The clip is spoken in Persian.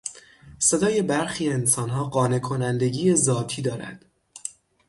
صدای برخی انسانها قانع کنندگی ذاتی دارد.